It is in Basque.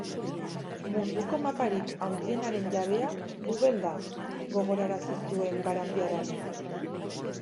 Munduko maparik handienaren jabea Google da, gogorarazi zuen Barandiaranek.